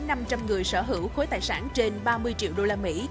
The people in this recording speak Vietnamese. năm trăm linh người sở hữu khối tài sản trên ba mươi triệu đô la mỹ